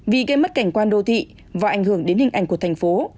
vì gây mất cảnh quan đô thị và ảnh hưởng đến hình ảnh của thành phố